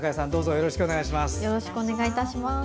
よろしくお願いします。